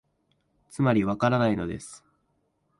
つまり、わからないのです